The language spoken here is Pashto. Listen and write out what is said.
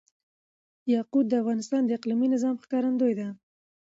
یاقوت د افغانستان د اقلیمي نظام ښکارندوی ده.